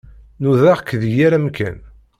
Nudaɣ-k deg yal amkan.